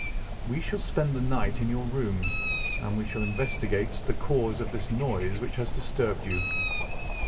"We shall spend the night in your room, and we shall investigate the cause of this noise which has disturbed you."